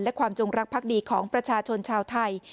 และความจงรักพักดีของประชาชนชาวไทย